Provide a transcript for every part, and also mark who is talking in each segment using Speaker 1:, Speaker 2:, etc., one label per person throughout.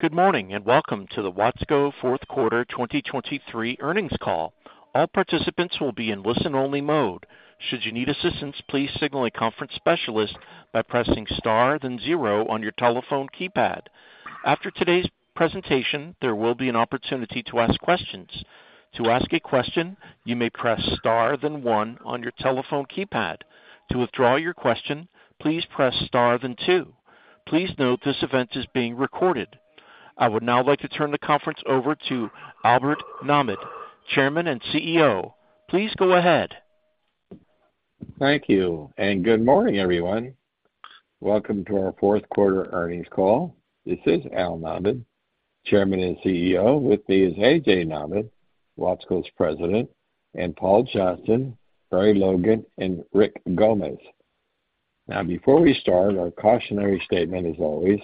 Speaker 1: Good Morning and Welcome to the Watsco Q4 2023 Earnings Call. All participants will be in listen-only mode. Should you need assistance, please signal a conference specialist by pressing star then zero on your telephone keypad. After today's presentation, there will be an opportunity to ask questions. To ask a question, you may press star then one on your telephone keypad. To withdraw your question, please press star then two. Please note this event is being recorded. I would now like to turn the conference over to Albert Nahmad, Chairman and CEO. Please go ahead.
Speaker 2: Thank you and good morning, everyone. Welcome to our Q4 earnings call. This is Al Nahmad, Chairman and CEO. With me is A.J. Nahmad, Watsco's President, and Paul Johnston, Barry Logan, and Rick Gomez. Now, before we start, our cautionary statement is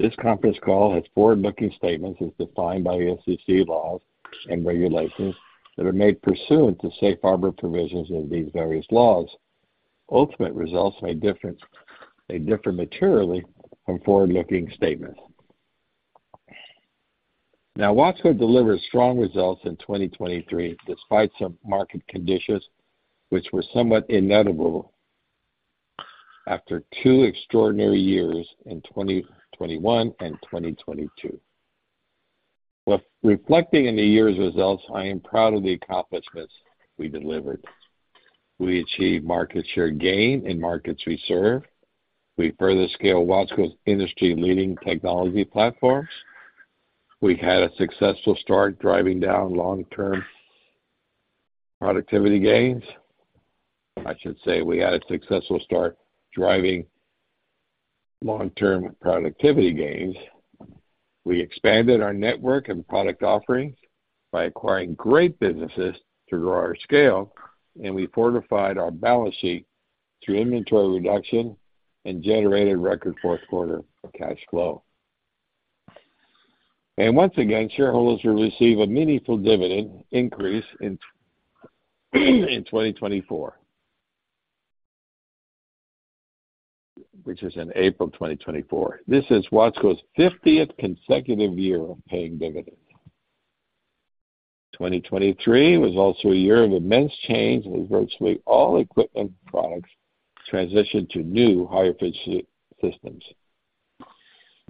Speaker 2: always: this conference call has forward-looking statements as defined by the SEC laws and regulations that are made pursuant to safe harbor provisions of these various laws. Ultimate results may differ materially from forward-looking statements. Now, Watsco delivered strong results in 2023 despite some market conditions, which were somewhat inevitable after two extraordinary years in 2021 and 2022. Reflecting on the year's results, I am proud of the accomplishments we delivered. We achieved market share gain in markets we serve. We further scaled Watsco's industry-leading technology platforms. We had a successful start driving down long-term productivity gains. I should say we had a successful start driving long-term productivity gains. We expanded our network and product offerings by acquiring great businesses to grow our scale, and we fortified our balance sheet through inventory reduction and generated record Q4 cash flow. Once again, shareholders will receive a meaningful dividend increase in 2024, which is in April 2024. This is Watsco's 50th consecutive year of paying dividends. 2023 was also a year of immense change as virtually all equipment products transitioned to new high-efficiency systems.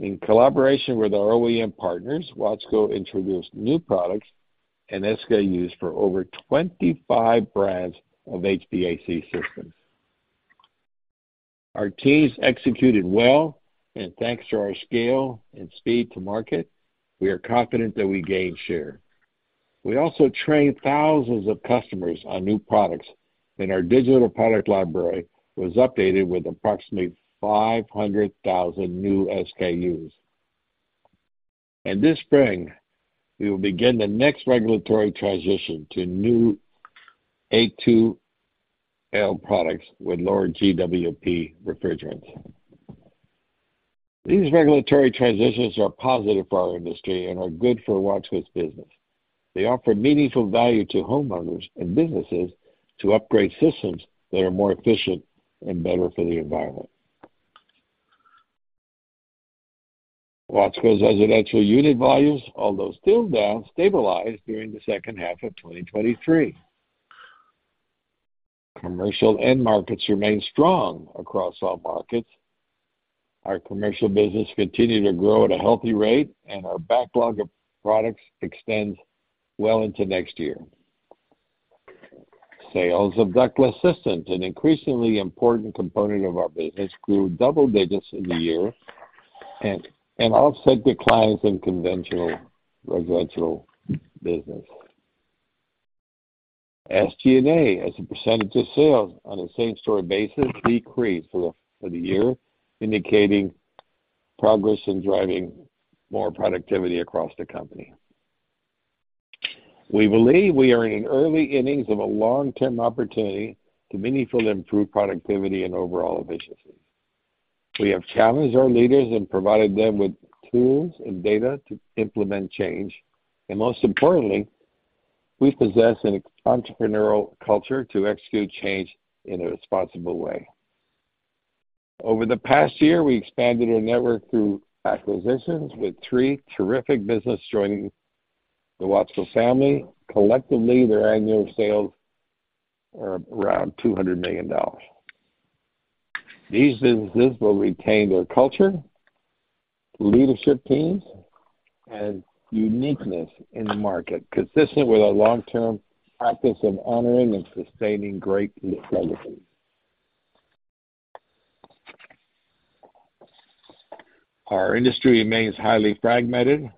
Speaker 2: In collaboration with our OEM partners, Watsco introduced new products, SKUs used for over 25 brands of HVAC systems. Our teams executed well, and thanks to our scale and speed to market, we are confident that we gained share. We also trained thousands of customers on new products, and our digital product library was updated with approximately 500,000 new SKUs. And this spring, we will begin the next regulatory transition to new A2L products with lower GWP refrigerants. These regulatory transitions are positive for our industry and are good for Watsco's business. They offer meaningful value to homeowners and businesses to upgrade systems that are more efficient and better for the environment. Watsco's residential unit volumes, although still down, stabilized during the second half of 2023. Commercial end markets remain strong across all markets. Our commercial business continued to grow at a healthy rate, and our backlog of products extends well into next year. Sales of ductless systems, an increasingly important component of our business, grew double digits in the year and offset declines in conventional residential business. SG&A, as a percentage of sales on a same-store basis, decreased for the year, indicating progress in driving more productivity across the company. We believe we are in the early innings of a long-term opportunity to meaningfully improve productivity and overall efficiency. We have challenged our leaders and provided them with tools and data to implement change. Most importantly, we possess an entrepreneurial culture to execute change in a responsible way. Over the past year, we expanded our network through acquisitions with three terrific businesses joining the Watsco family. Collectively, their annual sales are around $200 million. These businesses will retain their culture, leadership teams, and uniqueness in the market, consistent with our long-term practice of honoring and sustaining great legacy. Our industry remains highly fragmented,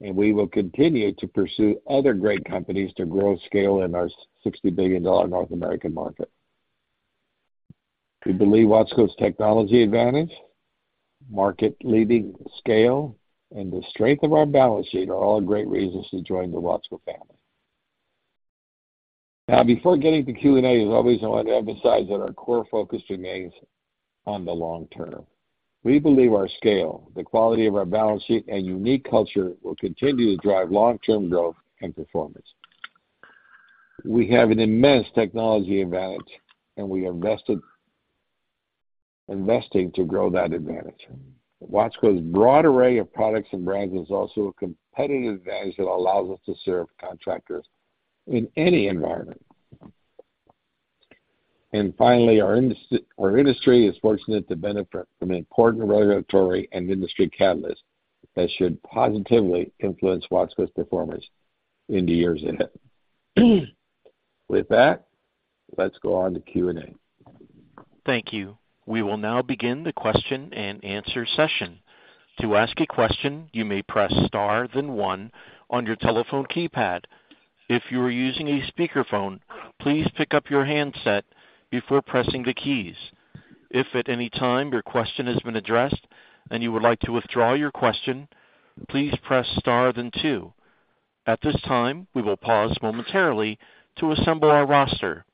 Speaker 2: and we will continue to pursue other great companies to grow scale in our $60 billion North American market. We believe Watsco's technology advantage, market-leading scale, and the strength of our balance sheet are all great reasons to join the Watsco family. Now, before getting to Q&A, as always, I want to emphasize that our core focus remains on the long term. We believe our scale, the quality of our balance sheet, and unique culture will continue to drive long-term growth and performance. We have an immense technology advantage, and we are investing to grow that advantage. Watsco's broad array of products and brands is also a competitive advantage that allows us to serve contractors in any environment. And finally, our industry is fortunate to benefit from an important regulatory and industry catalyst that should positively influence Watsco's performance in the years ahead. With that, let's go on to Q&A.
Speaker 1: Thank you. We will now begin the question and answer session. To ask a question, you may press star then one on your telephone keypad. If you are using a speakerphone, please pick up your handset before pressing the keys. If at any time your question has been addressed and you would like to withdraw your question, please press star then two. At this time, we will pause momentarily to assemble our roster.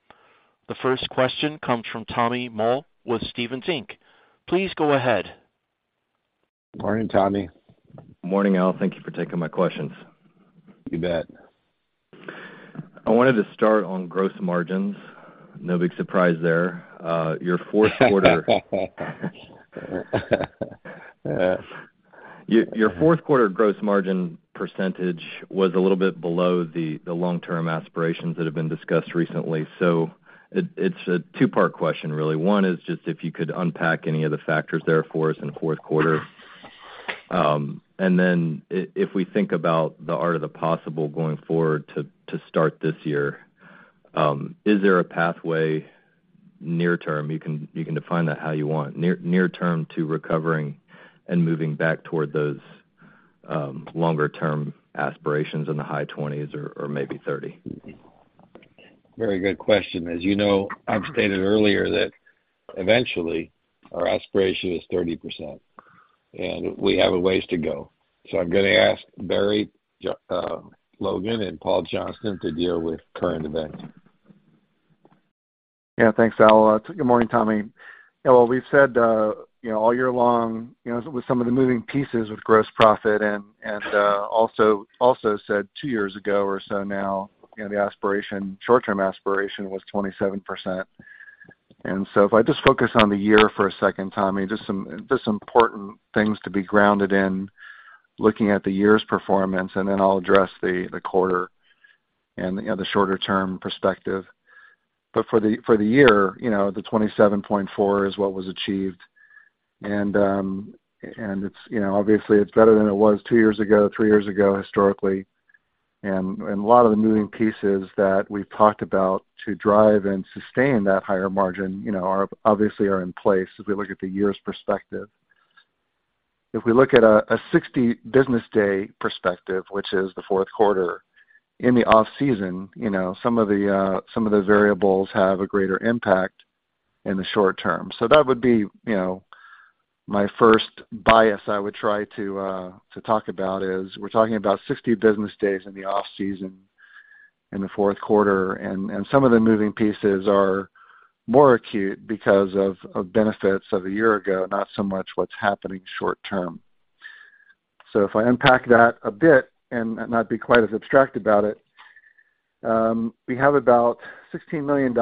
Speaker 1: The first question comes from Tommy Moll with Stephens Inc. Please go ahead.
Speaker 2: Morning, Tommy.
Speaker 3: Morning, Al. Thank you for taking my questions.
Speaker 2: You bet.
Speaker 3: I wanted to start on gross margins. No big surprise there. Your Q4 gross margin percentage was a little bit below the long-term aspirations that have been discussed recently. It's a two-part question, really. One is just if you could unpack any of the factors there for us in Q4. And then if we think about the art of the possible going forward to start this year, is there a pathway near-term? You can define that how you want. Near-term to recovering and moving back toward those longer-term aspirations in the high 20s or maybe 30?
Speaker 2: Very good question. As you know, I've stated earlier that eventually, our aspiration is 30%, and we have a ways to go. So I'm going to ask Barry Logan and Paul Johnston to deal with current events.
Speaker 4: Yeah. Thanks, Al. Good morning, Tommy. Well, we've said all year long with some of the moving pieces with gross profit and also said two years ago or so now, the short-term aspiration was 27%. And so if I just focus on the year for a second, Tommy, just some important things to be grounded in looking at the year's performance, and then I'll address the quarter and the shorter-term perspective. But for the year, the 27.4% is what was achieved. And obviously, it's better than it was two years ago, three years ago, historically. And a lot of the moving pieces that we've talked about to drive and sustain that higher margin obviously are in place as we look at the year's perspective. If we look at a 60-business-day perspective, which is the Q4, in the off-season, some of the variables have a greater impact in the short term. So that would be my first bias I would try to talk about is we're talking about 60 business days in the off-season in the Q4. And some of the moving pieces are more acute because of benefits of a year ago, not so much what's happening short term. So if I unpack that a bit and not be quite as abstract about it, we have about $16 million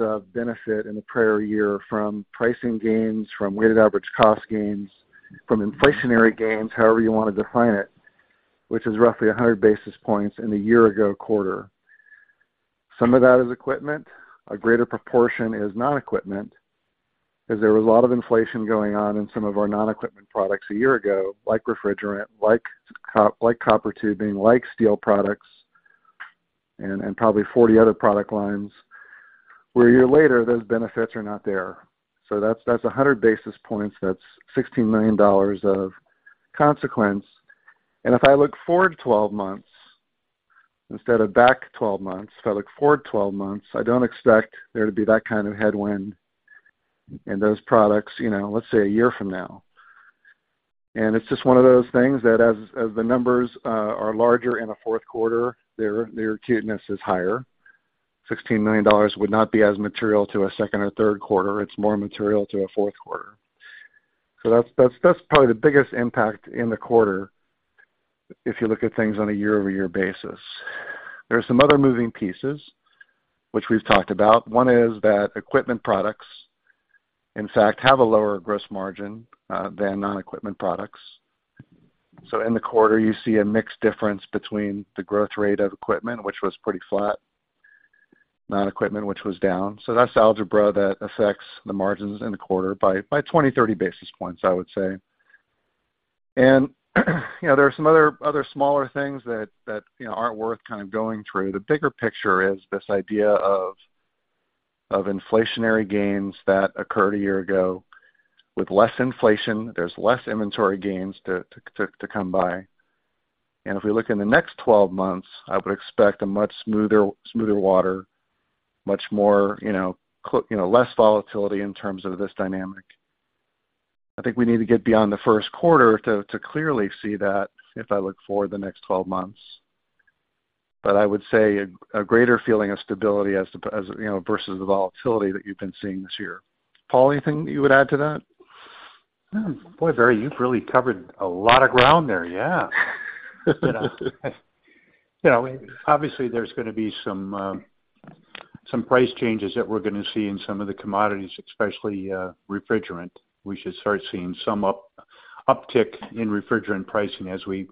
Speaker 4: of benefit in the prior year from pricing gains, from weighted average cost gains, from inflationary gains, however you want to define it, which is roughly 100 basis points in the year-ago quarter. Some of that is equipment. A greater proportion is non-equipment because there was a lot of inflation going on in some of our non-equipment products a year ago, like refrigerant, like copper tubing, like steel products, and probably 40 other product lines where a year later, those benefits are not there. So that's 100 basis points. That's $16 million of consequence. And if I look forward 12 months instead of back 12 months, if I look forward 12 months, I don't expect there to be that kind of headwind in those products, let's say, a year from now. And it's just one of those things that as the numbers are larger in a Q4, their acuteness is higher. $16 million would not be as material to a second or Q3. It's more material to a Q4. So that's probably the biggest impact in the quarter if you look at things on a year-over-year basis. There are some other moving pieces, which we've talked about. One is that equipment products, in fact, have a lower gross margin than non-equipment products. So in the quarter, you see a mixed difference between the growth rate of equipment, which was pretty flat, non-equipment, which was down. So that's algebra that affects the margins in the quarter by 20-30 basis points, I would say. And there are some other smaller things that aren't worth kind of going through. The bigger picture is this idea of inflationary gains that occurred a year ago. With less inflation, there's less inventory gains to come by. And if we look in the next 12 months, I would expect a much smoother quarter, much less volatility in terms of this dynamic. I think we need to get beyond the Q1 to clearly see that if I look forward the next 12 months. But I would say a greater feeling of stability versus the volatility that you've been seeing this year. Paul, anything that you would add to that?
Speaker 5: Boy, Barry, you've really covered a lot of ground there. Yeah. Obviously, there's going to be some price changes that we're going to see in some of the commodities, especially refrigerant. We should start seeing some uptick in refrigerant pricing as we've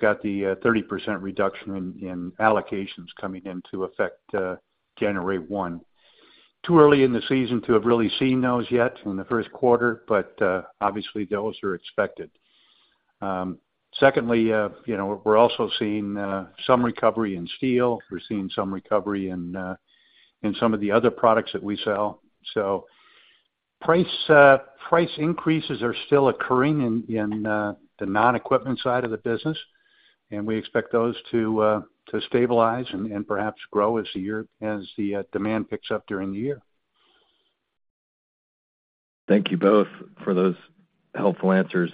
Speaker 5: got the 30% reduction in allocations coming in to January 1. Too early in the season to have really seen those yet in the Q1, but obviously, those are expected. Secondly, we're also seeing some recovery in steel. We're seeing some recovery in some of the other products that we sell. So price increases are still occurring in the non-equipment side of the business, and we expect those to stabilize and perhaps grow as the demand picks up during the year.
Speaker 3: Thank you both for those helpful answers.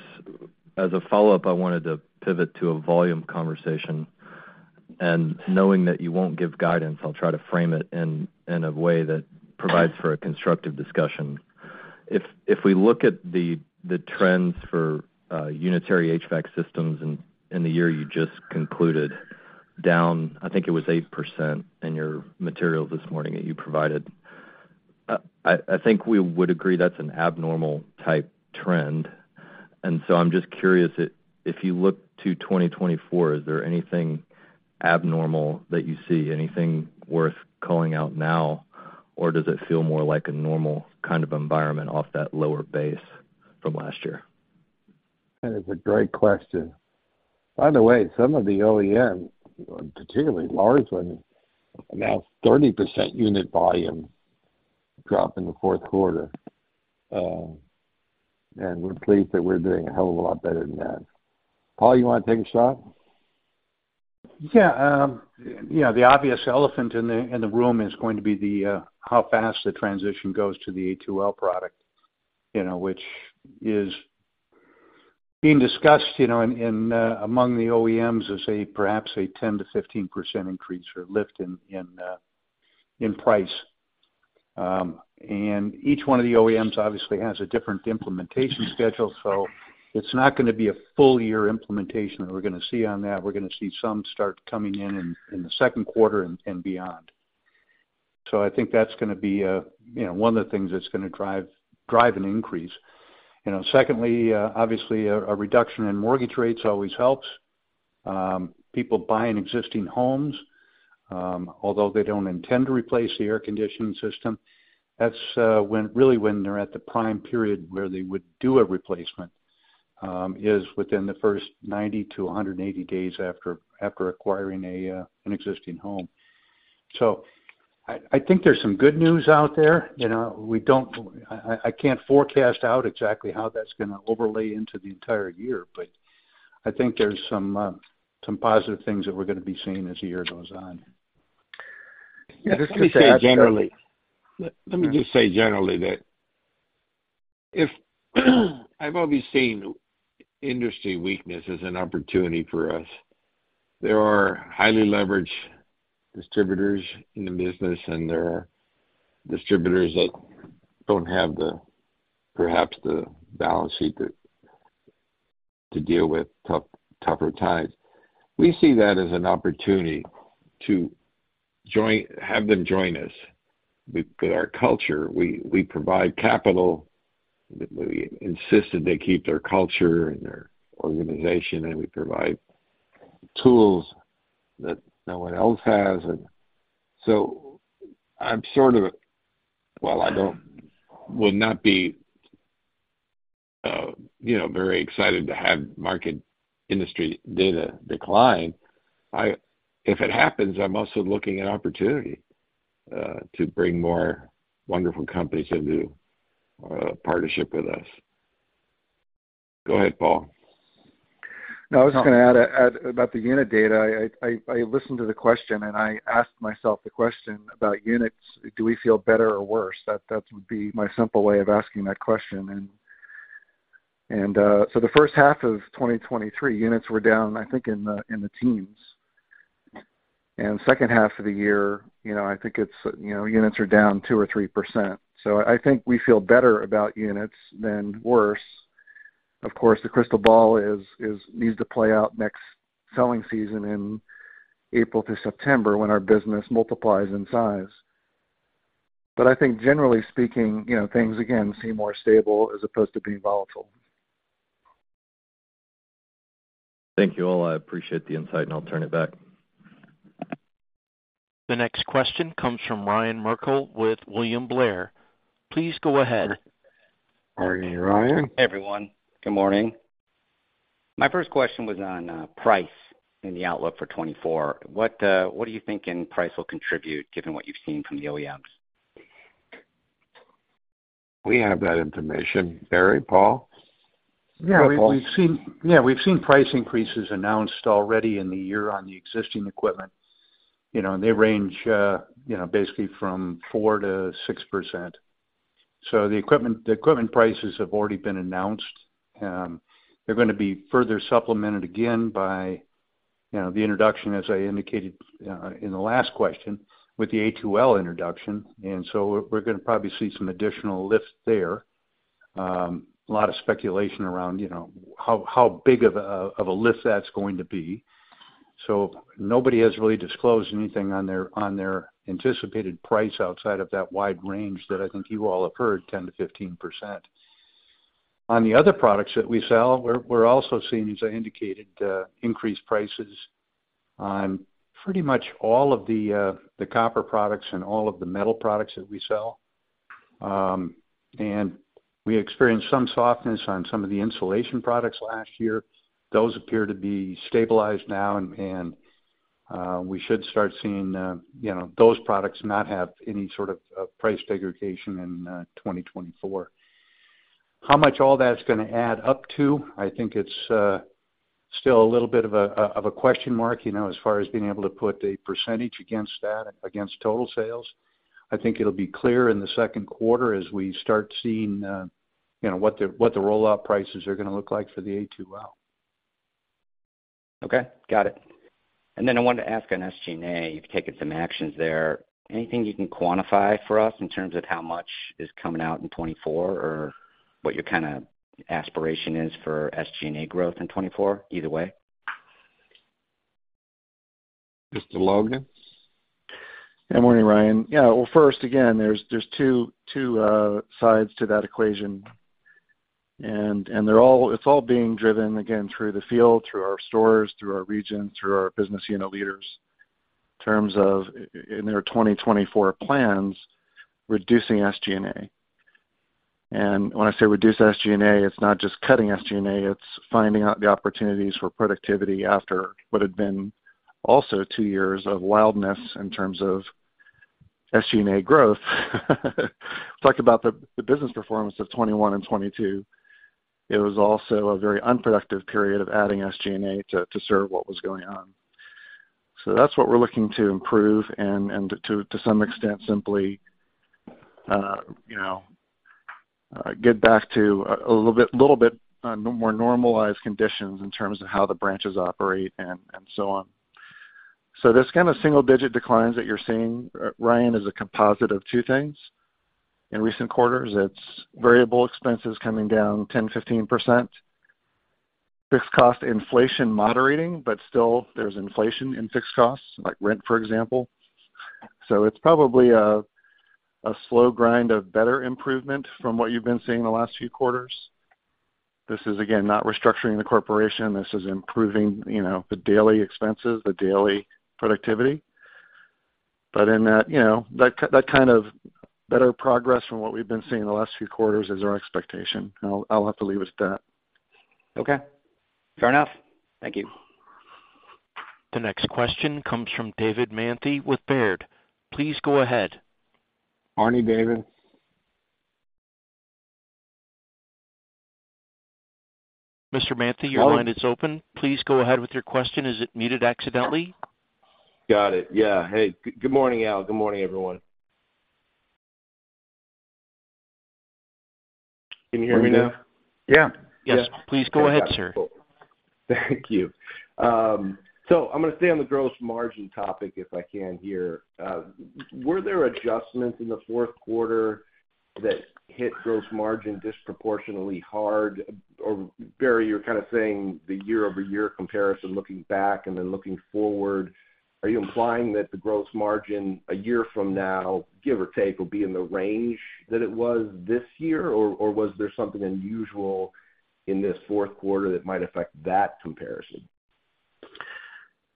Speaker 3: As a follow-up, I wanted to pivot to a volume conversation. And knowing that you won't give guidance, I'll try to frame it in a way that provides for a constructive discussion. If we look at the trends for unitary HVAC systems in the year you just concluded, down, I think it was 8% in your materials this morning that you provided. I think we would agree that's an abnormal-type trend. And so I'm just curious, if you look to 2024, is there anything abnormal that you see, anything worth calling out now, or does it feel more like a normal kind of environment off that lower base from last year?
Speaker 2: That is a great question. By the way, some of the OEM, particularly a large one, announced 30% unit volume drop in the Q4. We're pleased that we're doing a hell of a lot better than that. Paul, you want to take a shot?
Speaker 5: Yeah. The obvious elephant in the room is going to be how fast the transition goes to the A2L product, which is being discussed among the OEMs as perhaps a 10%-15% increase or lift in price. Each one of the OEMs obviously has a different implementation schedule. It's not going to be a full-year implementation that we're going to see on that. We're going to see some start coming in in the Q2 and beyond. So I think that's going to be one of the things that's going to drive an increase. Secondly, obviously, a reduction in mortgage rates always helps. People buying existing homes, although they don't intend to replace the air conditioning system, really when they're at the prime period where they would do a replacement is within the first 90-180 days after acquiring an existing home. I think there's some good news out there. I can't forecast out exactly how that's going to overlay into the entire year, but I think there's some positive things that we're going to be seeing as the year goes on.
Speaker 2: Let me say generally let me just say generally that I've always seen industry weakness as an opportunity for us. There are highly leveraged distributors in the business, and there are distributors that don't have perhaps the balance sheet to deal with tougher times. We see that as an opportunity to have them join us. With our culture, we provide capital. We insisted they keep their culture and their organization, and we provide tools that no one else has. And so I'm sort of well, I will not be very excited to have market industry data decline. If it happens, I'm also looking at opportunity to bring more wonderful companies into partnership with us. Go ahead, Paul.
Speaker 5: No, I was just going to add about the unit data. I listened to the question, and I asked myself the question about units. Do we feel better or worse? That would be my simple way of asking that question. So the first half of 2023, units were down, I think, in the teens. Second half of the year, I think units are down 2%-3%. So I think we feel better about units than worse. Of course, the crystal ball needs to play out next selling season in April to September when our business multiplies in size. But I think, generally speaking, things, again, seem more stable as opposed to being volatile.
Speaker 3: Thank you, All. I appreciate the insight, and I'll turn it back.
Speaker 1: The next question comes from Ryan Merkel with William Blair. Please go ahead.
Speaker 2: Morning, Ryan.
Speaker 6: Hey, everyone. Good morning. My first question was on price in the outlook for 2024. What do you think in price will contribute given what you've seen from the OEMs?
Speaker 2: We have that information. Barry, Paul?
Speaker 5: Yeah. Yeah. We've seen price increases announced already in the year on the existing equipment, and they range basically from 4%-6%. So the equipment prices have already been announced. They're going to be further supplemented again by the introduction, as I indicated in the last question, with the A2L introduction. And so we're going to probably see some additional lift there, a lot of speculation around how big of a lift that's going to be. So nobody has really disclosed anything on their anticipated price outside of that wide range that I think you all have heard, 10%-15%. On the other products that we sell, we're also seeing, as I indicated, increased prices on pretty much all of the copper products and all of the metal products that we sell. And we experienced some softness on some of the insulation products last year. Those appear to be stabilized now, and we should start seeing those products not have any sort of price degradation in 2024. How much all that's going to add up to, I think it's still a little bit of a question mark as far as being able to put a percentage against that, against total sales. I think it'll be clear in the Q2 as we start seeing what the rollout prices are going to look like for the A2L.
Speaker 6: Okay. Got it. And then I wanted to ask on SG&A. You've taken some actions there. Anything you can quantify for us in terms of how much is coming out in 2024 or what your kind of aspiration is for SG&A growth in 2024, either way?
Speaker 2: Mr. Logan?
Speaker 4: Good morning, Ryan. Yeah. Well, first, again, there's two sides to that equation, and it's all being driven, again, through the field, through our stores, through our region, through our business unit leaders in terms of, in their 2024 plans, reducing SG&A. And when I say reduce SG&A, it's not just cutting SG&A. It's finding out the opportunities for productivity after what had been also two years of wildness in terms of SG&A growth. Talk about the business performance of 2021 and 2022. It was also a very unproductive period of adding SG&A to serve what was going on. So that's what we're looking to improve and, to some extent, simply get back to a little bit more normalized conditions in terms of how the branches operate and so on. So this kind of single-digit declines that you're seeing, Ryan, is a composite of two things. In recent quarters, it's variable expenses coming down 10%-15%, fixed cost inflation moderating, but still, there's inflation in fixed costs, like rent, for example. So it's probably a slow grind of better improvement from what you've been seeing the last few quarters. This is, again, not restructuring the corporation. This is improving the daily expenses, the daily productivity. But in that, that kind of better progress from what we've been seeing the last few quarters is our expectation. I'll have to leave it at that.
Speaker 6: Okay. Fair enough. Thank you.
Speaker 1: The next question comes from David Manthey with Baird. Please go ahead.
Speaker 2: Morning David.
Speaker 1: Mr. Manthey, your line is open. Please go ahead with your question. Is it muted accidentally?
Speaker 7: Got it. Yeah. Hey, good morning, Al. Good morning, everyone. Can you hear me now?
Speaker 4: Yeah.
Speaker 1: Yes. Please go ahead, sir.
Speaker 7: Thank you. So I'm going to stay on the gross margin topic if I can here. Were there adjustments in the Q4 that hit gross margin disproportionately hard? Or, Barry, you're kind of saying the year-over-year comparison, looking back and then looking forward. Are you implying that the gross margin a year from now, give or take, will be in the range that it was this year, or was there something unusual in this Q4 that might affect that comparison?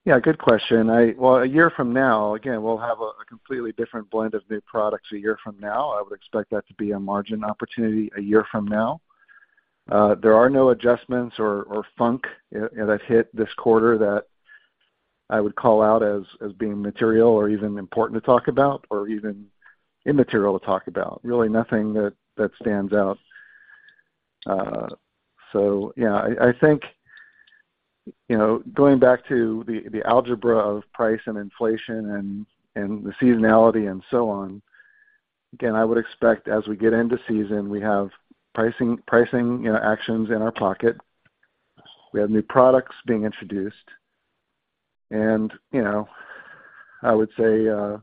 Speaker 4: Yeah. Good question. Well, a year from now, again, we'll have a completely different blend of new products a year from now. I would expect that to be a margin opportunity a year from now. There are no adjustments or funk that have hit this quarter that I would call out as being material or even important to talk about or even immaterial to talk about, really nothing that stands out. So yeah, I think going back to the algebra of price and inflation and the seasonality and so on, again, I would expect as we get into season, we have pricing actions in our pocket. We have new products being introduced, and I would say a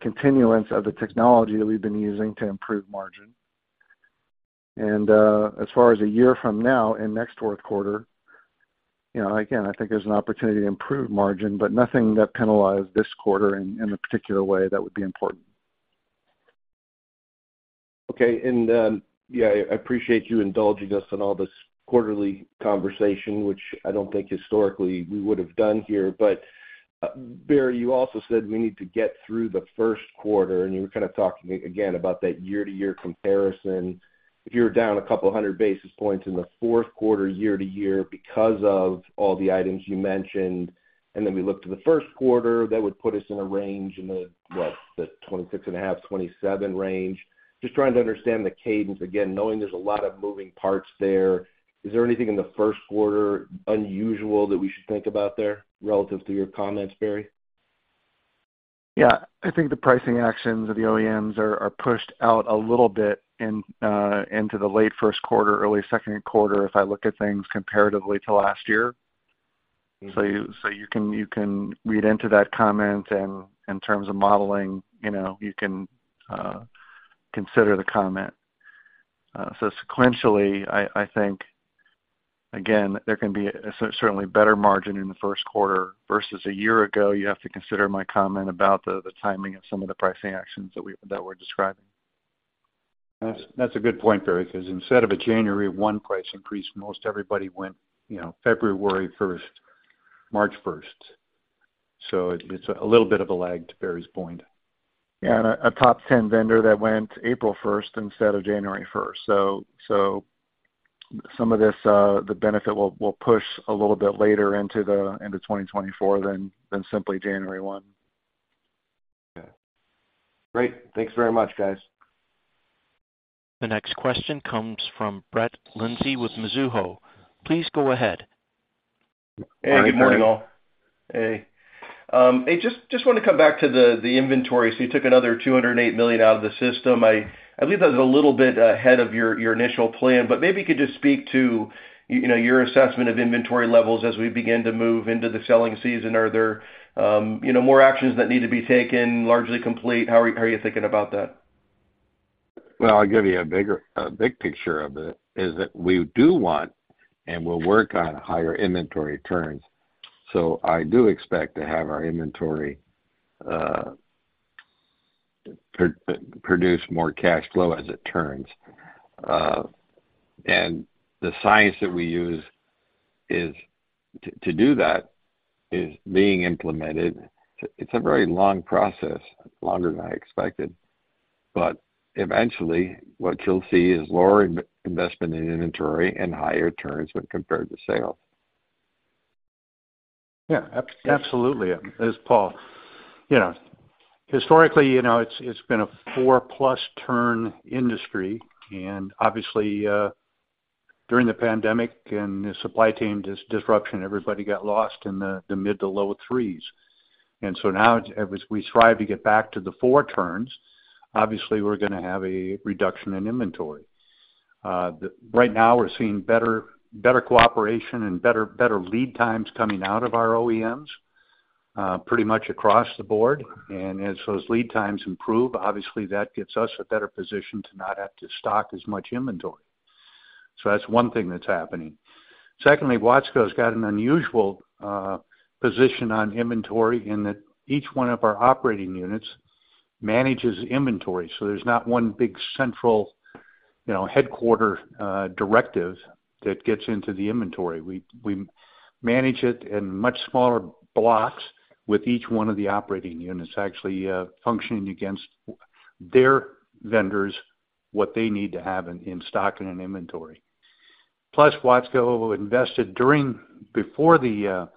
Speaker 4: continuance of the technology that we've been using to improve margin. As far as a year from now, in next Q4, again, I think there's an opportunity to improve margin, but nothing that penalized this quarter in a particular way that would be important.
Speaker 2: Okay. Yeah, I appreciate you indulging us in all this quarterly conversation, which I don't think historically we would have done here. But, Barry, you also said we need to get through the Q1, and you were kind of talking, again, about that year-over-year comparison. If you were down a couple of hundred basis points in the Q4, year-over-year, because of all the items you mentioned, and then we look to the Q1, that would put us in a range, what, the 26.5-27 range, just trying to understand the cadence. Again, knowing there's a lot of moving parts there, is there anything in the Q1 unusual that we should think about there relative to your comments, Barry?
Speaker 4: Yeah. I think the pricing actions of the OEMs are pushed out a little bit into the late Q1, early Q2, if I look at things comparatively to last year. So you can read into that comment, and in terms of modeling, you can consider the comment. So sequentially, I think, again, there can be certainly better margin in the Q1 versus a year ago. You have to consider my comment about the timing of some of the pricing actions that we're describing.
Speaker 2: That's a good point, Barry, because instead of a January 1 price increase, most everybody went February 1st, March 1st. It's a little bit of a lag to Barry's point.
Speaker 4: Yeah. A top 10 vendor that went April 1st instead of January 1st. Some of this, the benefit will push a little bit later into 2024 than simply January 1.
Speaker 7: Okay. Great. Thanks very much, guys.
Speaker 1: The next question comes from Brett Linzey with Mizuho. Please go ahead.
Speaker 8: Hey, good morning, all. Hey. Hey, just wanted to come back to the inventory. So you took another $208 million out of the system. I believe that was a little bit ahead of your initial plan, but maybe you could just speak to your assessment of inventory levels as we begin to move into the selling season. Are there more actions that need to be taken, largely complete? How are you thinking about that?
Speaker 9: Well, I'll give you a big picture of it, is that we do want and we'll work on higher inventory turns. So I do expect to have our inventory produce more cash flow as it turns. And the science that we use to do that is being implemented. It's a very long process, longer than I expected. But eventually, what you'll see is lower investment in inventory and higher turns when compared to sales.
Speaker 4: Yeah. Absolutely. As Paul, historically, it's been a 4+ turn industry. And obviously, during the pandemic and the supply chain disruption, everybody got lost in the mid- to low-3s. And so now, as we strive to get back to the 4 turns, obviously, we're going to have a reduction in inventory. Right now, we're seeing better cooperation and better lead times coming out of our OEMs pretty much across the board. And as those lead times improve, obviously, that gives us a better position to not have to stock as much inventory. So that's one thing that's happening. Secondly, Watsco has got an unusual position on inventory in that each one of our operating units manages inventory. So there's not one big central headquarters directive that gets into the inventory. We manage it in much smaller blocks with each one of the operating units actually functioning against their vendors, what they need to have in stock and in inventory. Plus, Watsco invested before the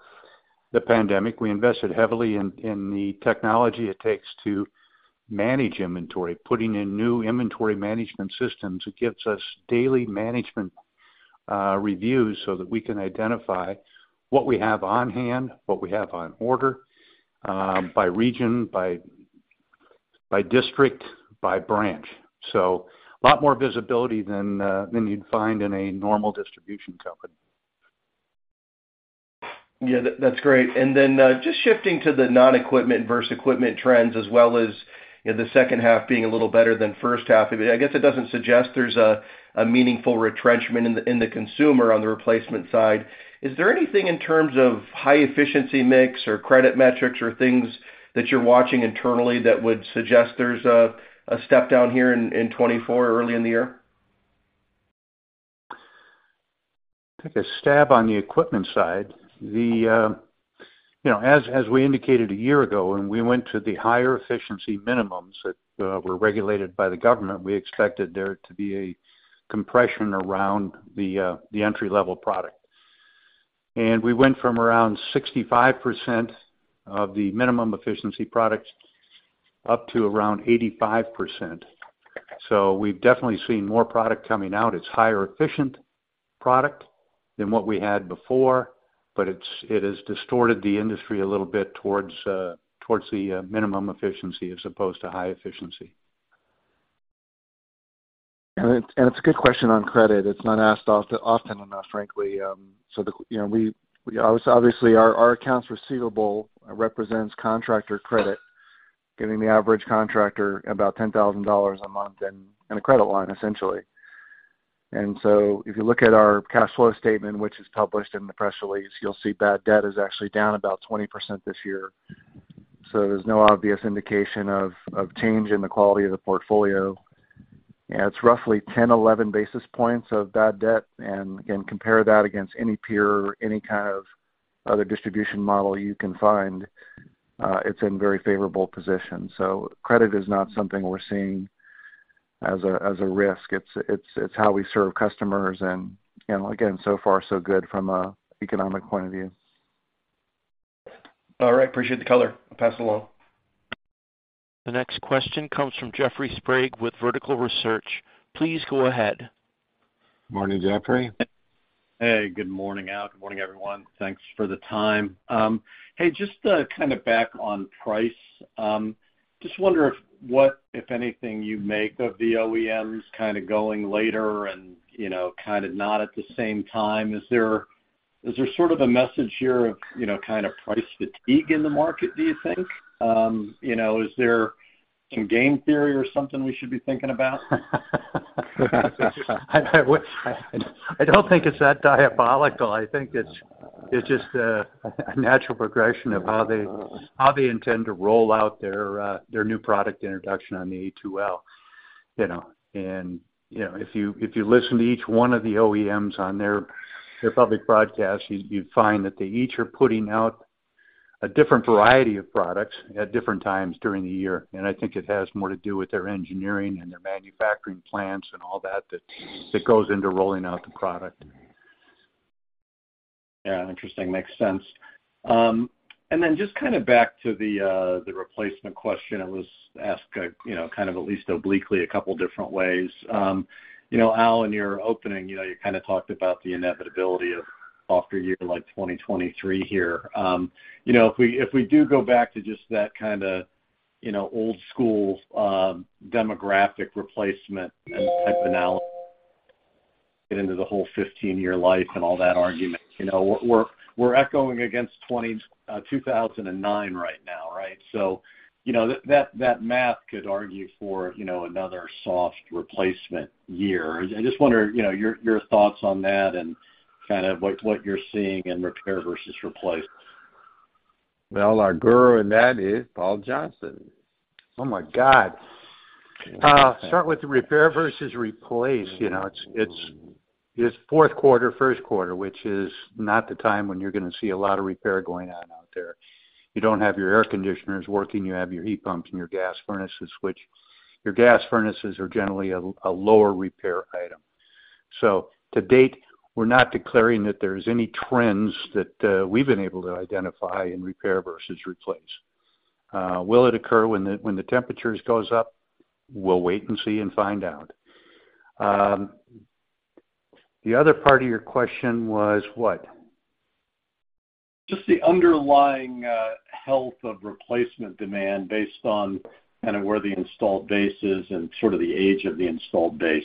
Speaker 4: pandemic, we invested heavily in the technology it takes to manage inventory. Putting in new inventory management systems, it gives us daily management reviews so that we can identify what we have on hand, what we have on order by region, by district, by branch. So a lot more visibility than you'd find in a normal distribution company.
Speaker 8: Yeah. That's great. And then just shifting to the non-equipment versus equipment trends, as well as the second half being a little better than first half, I guess it doesn't suggest there's a meaningful retrenchment in the consumer on the replacement side. Is there anything in terms of high-efficiency mix or credit metrics or things that you're watching internally that would suggest there's a step down here in 2024 early in the year?
Speaker 2: Take a stab on the equipment side. As we indicated a year ago, when we went to the higher efficiency minimums that were regulated by the government, we expected there to be a compression around the entry-level product. And we went from around 65% of the minimum efficiency product up to around 85%. So we've definitely seen more product coming out. It's higher efficient product than what we had before, but it has distorted the industry a little bit towards the minimum efficiency as opposed to high efficiency.
Speaker 4: It's a good question on credit. It's not asked often enough, frankly. So obviously, our accounts receivable represents contractor credit, giving the average contractor about $10,000 a month in a credit line, essentially. And so if you look at our cash flow statement, which is published in the press release, you'll see bad debt is actually down about 20% this year. So there's no obvious indication of change in the quality of the portfolio. It's roughly 10-11 basis points of bad debt. And again, compare that against any peer or any kind of other distribution model you can find. It's in very favorable position. So credit is not something we're seeing as a risk. It's how we serve customers. And again, so far, so good from an economic point of view.
Speaker 8: All right. Appreciate the color. I'll pass it along.
Speaker 1: The next question comes from Jeffrey Sprague with Vertical Research. Please go ahead.
Speaker 2: Morning, Jeffrey.
Speaker 10: Hey. Good morning, Al. Good morning, everyone. Thanks for the time. Hey, just kind of back on price. Just wonder if what, if anything, you make of the OEMs kind of going later and kind of not at the same time. Is there sort of a message here of kind of price fatigue in the market, do you think? Is there some game theory or something we should be thinking about?
Speaker 2: I don't think it's that diabolical. I think it's just a natural progression of how they intend to roll out their new product introduction on the A2L. And if you listen to each one of the OEMs on their public broadcast, you'd find that they each are putting out a different variety of products at different times during the year. And I think it has more to do with their engineering and their manufacturing plants and all that that goes into rolling out the product.
Speaker 10: Yeah. Interesting. Makes sense. And then just kind of back to the replacement question, it was asked kind of at least obliquely a couple of different ways. Al, in your opening, you kind of talked about the inevitability of. After a year like 2023 here. If we do go back to just that kind of old-school demographic replacement and type of analysis, get into the whole 15-year life and all that argument, we're echoing against 2009 right now, right? So that math could argue for another soft replacement year. I just wonder your thoughts on that and kind of what you're seeing in repair versus replace.
Speaker 2: Well, our guru in that is Paul Johnston.
Speaker 5: Oh my God. Start with the repair versus replace. It's Q4, Q1, which is not the time when you're going to see a lot of repair going on out there. You don't have your air conditioners working. You have your heat pumps and your gas furnaces, which your gas furnaces are generally a lower repair item. So to date, we're not declaring that there's any trends that we've been able to identify in repair versus replace. Will it occur when the temperature goes up? We'll wait and see and find out. The other part of your question was what? Just the underlying health of replacement demand based on kind of where the installed base is and sort of the age of the installed base.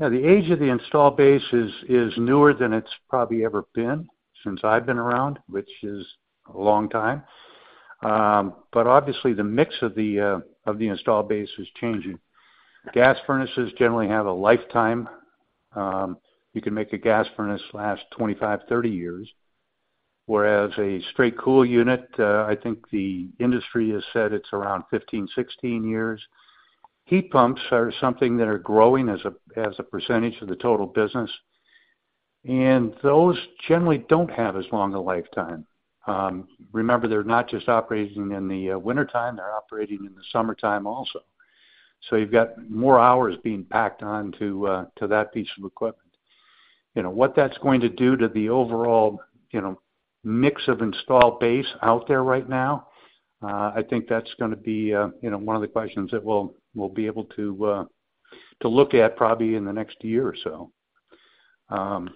Speaker 4: Yeah. The age of the installed base is newer than it's probably ever been since I've been around, which is a long time. But obviously, the mix of the installed base is changing. Gas furnaces generally have a lifetime. You can make a gas furnace last 25, 30 years, whereas a straight cool unit, I think the industry has said it's around 15, 16 years. Heat pumps are something that are growing as a percentage of the total business. And those generally don't have as long a lifetime. Remember, they're not just operating in the wintertime. They're operating in the summertime also. So you've got more hours being packed onto that piece of equipment. What that's going to do to the overall mix of installed base out there right now, I think that's going to be one of the questions that we'll be able to look at probably in the next year or so.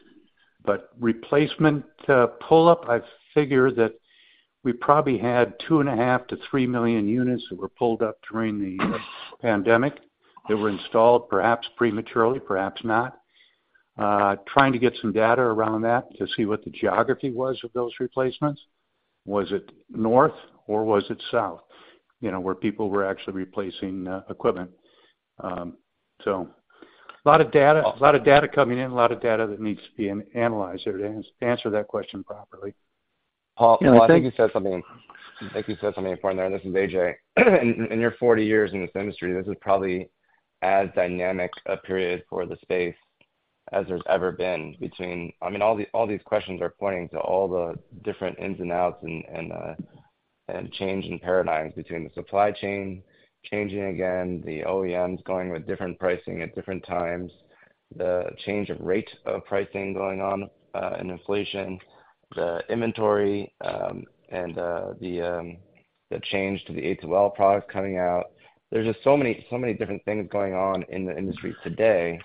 Speaker 4: But replacement pull-up, I figure that we probably had 2.5-3 million units that were pulled up during the pandemic that were installed, perhaps prematurely, perhaps not. Trying to get some data around that to see what the geography was of those replacements. Was it north, or was it south where people were actually replacing equipment? So a lot of data coming in, a lot of data that needs to be analyzed there to answer that question properly.
Speaker 9: Paul, I think you said something I think you said something important there. This is A.J. In your 40 years in this industry, this is probably as dynamic a period for the space as there's ever been between, I mean, all these questions are pointing to all the different ins and outs and change in paradigms between the supply chain changing again, the OEMs going with different pricing at different times, the change of rate of pricing going on, and inflation, the inventory, and the change to the A2L product coming out. There's just so many different things going on in the industry today,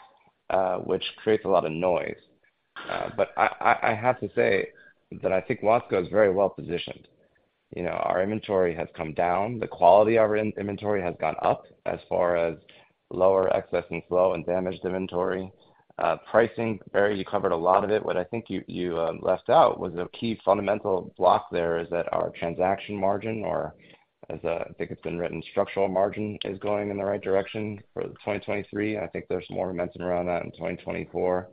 Speaker 9: which creates a lot of noise. But I have to say that I think Watsco is very well positioned. Our inventory has come down. The quality of our inventory has gone up as far as lower excess and slow and damaged inventory. Pricing, Barry, you covered a lot of it. What I think you left out was a key fundamental block there is that our transaction margin, or I think it's been written structural margin, is going in the right direction for 2023. I think there's more momentum around that in 2024.